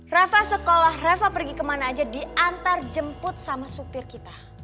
rafa sekolah rafa pergi kemana aja diantar jemput sama supir kita